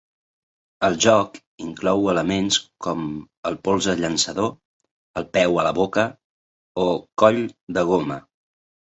El joc inclou elements com "El polze llançador", "El peu a la boca" o "Coll de goma".